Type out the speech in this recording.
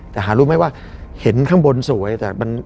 แต่หารู้ไหมว่าเห็นข้างบนสวยแต่มัน